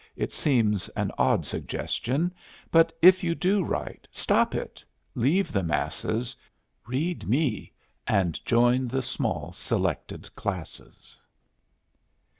It seems an odd suggestion But if you do write, stop it, leave the masses, Read me, and join the small selected classes.